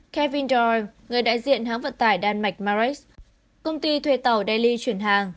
kevin doyle người đại diện hãng vận tải đan mạch maritz công ty thuê tàu delhi chuyển hàng